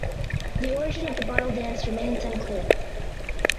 The origin of the bottle dance remains unclear.